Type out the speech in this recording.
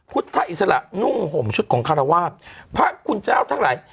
พุทธอิสระนุ่งห่มชุดของคารวาสพระคุณเจ้าทั้งหลาย